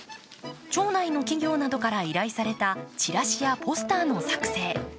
町内の企業などから依頼されたチラシやポスターの作成。